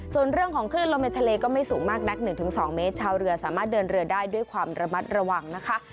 ส่วนเรื่องของคลื่นลมในทะเลก็ไม่สูงมากนัก๑๒เมตรชาวเรือสามารถเดินเรือได้ด้วยความระมัดระวังนะคะ